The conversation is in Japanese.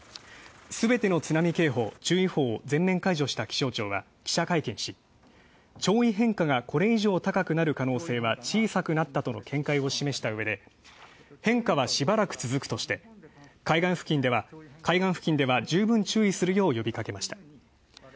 すべての津波警報・注意報を全面解除した気象庁は記者会見し、「潮位変化が、これ以上高くなる可能性は小さくなった」との見解を示した上で変化はしばらく続くとして、海岸付近では十分注意するよう呼びかけました。